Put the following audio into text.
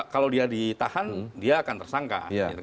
kalau dia ditahan dia akan tersangka